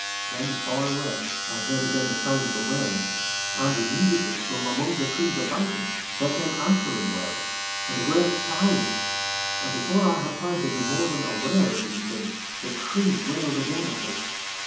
Then, far away, I heard again the sound of the wailing and, immediately, from among the trees about us, there came answering wails and a great sighing. And before I had time to be more than aware of these things, the tree wailed again at us.